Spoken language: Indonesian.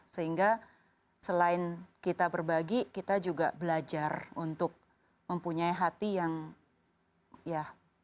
sehingga selain kita berbagi kita juga belajar untuk mempunyai hati yang ya